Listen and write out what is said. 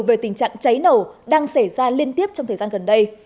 về tình trạng cháy nổ đang xảy ra liên tiếp trong thời gian gần đây